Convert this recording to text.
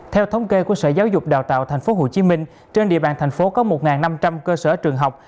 theo thống kê của sở giáo dục đào tạo tp hcm trên địa bàn thành phố có một năm trăm linh cơ sở trường học